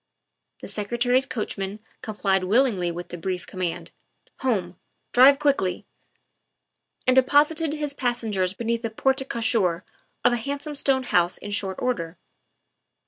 '' The Secretary's coachman complied willingly with the brief command, " Home; drive quickly!" and de posited his passengers beneath the porte cochere of a handsome stone house in short order.